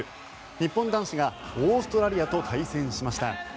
日本男子がオーストラリアと対戦しました。